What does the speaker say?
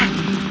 kalo seperti ni